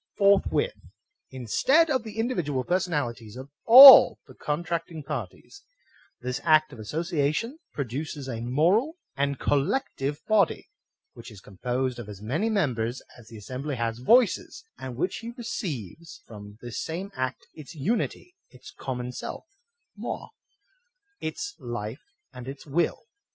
^ Forthwith, instead of the individual personalities of all the contracting parties, this act of association produces a moral and collective body, which is composed of as many members as the assembly has voices, and which receives from this same act its unity, its common self {nioi)^ its life, and its will.